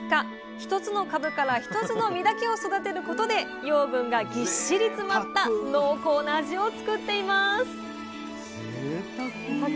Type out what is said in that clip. １つの株から１つの実だけを育てることで養分がぎっしり詰まった濃厚な味をつくっていますぜいたく。